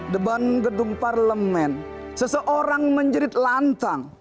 depan gedung parlemen seseorang menjerit lantang